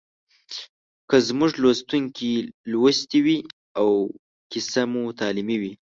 که زموږ لوستونکي لوستې وي او کیسه مو تعلیمي وي